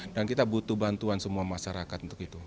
dan kita butuh bantuan semua masyarakat untuk itu